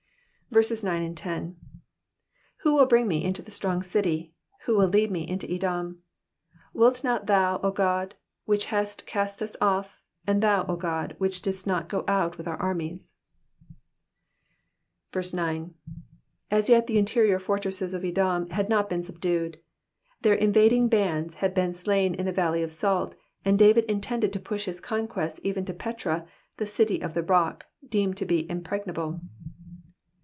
9 Who will bring me into the strong city? who will lead me into Edom ? ID Wilt not thou, O God which hadst cast us off? and thou O God, which didst not go out with our armies ? 9. As yet the interior fortresses of Edom had not been subdued. Their invading bands had been slain in the valley of salt, and David intended to push his conquests even to Petra the city of the rock, deemed to be impregnable.